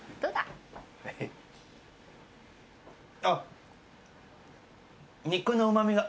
あっ。